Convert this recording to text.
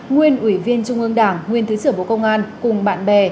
nguyên ủy viên trung ương đảng nguyên thứ trưởng bộ công an cùng bạn bè